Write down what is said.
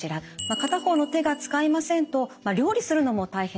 片方の手が使えませんと料理するのも大変ですよね。